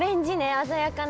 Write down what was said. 鮮やかな。